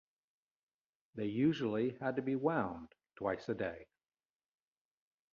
They usually had to be wound twice a day.